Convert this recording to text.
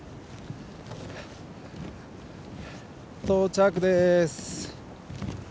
到着です。